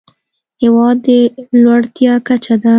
هېواد د لوړتيا کچه ده.